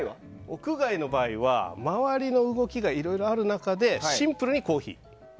屋外の場合は周りの動きがいろいろある中でシンプルにコーヒー。